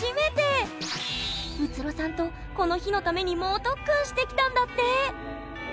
宇津呂さんとこの日のために猛特訓してきたんだって！